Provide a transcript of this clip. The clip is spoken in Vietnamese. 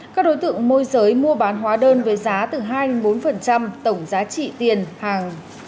các đối tượng môi giới mua bán hóa đơn với giá từ hai mươi bốn tổng giá trị tiền hàng